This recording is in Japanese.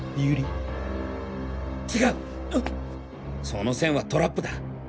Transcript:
その線はトラップだ。